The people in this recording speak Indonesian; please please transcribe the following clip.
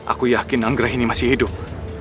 aku yakin anggrah ini masih hidup